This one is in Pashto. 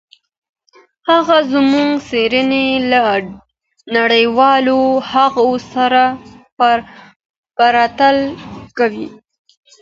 هغه زموږ څېړني له نړیوالو هغو سره پرتله کوي.